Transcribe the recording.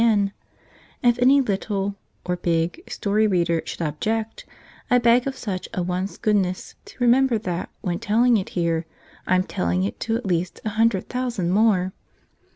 And if any little — or big — story reader should object, I beg of such a one's goodness to remember that when telling it here I'm telling it to at least a hundred thousand more!